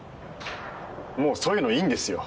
もうそういうのいいんですよ。